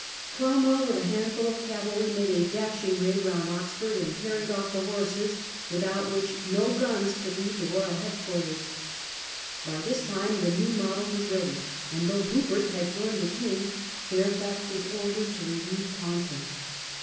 Cromwell, with a handful of cavalry, made a dashing raid round Oxford, and carried off the horses, without which no guns could leave the Royal head quarters. By this time the New Model was ready, and though Rupert had joined the king, Fairfax was ordered to relieve Taunton.